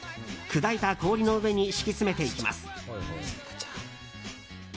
砕いた氷の上に敷き詰めていきます。